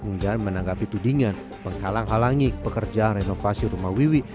enggan menanggapi tudingan menghalang halangi pekerjaan renovasi rumah wiwi